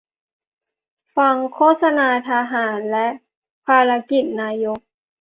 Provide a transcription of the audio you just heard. ฟังโฆษณาทหาร และภารกิจนายก